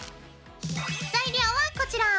材料はこちら。